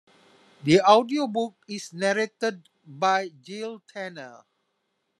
The audiobook is narrated by Jill Tanner.